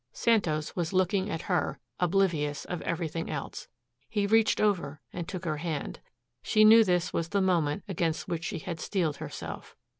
Santos was looking at her, oblivious of everything else. He reached over and took her hand. She knew this was the moment against which she had steeled herself.